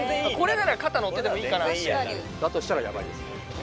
だとしたらヤバいですね。